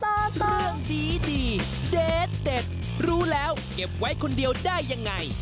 ตาสร้างดีเด็ดรู้แล้วเก็บไว้คนเดียวได้ยังไง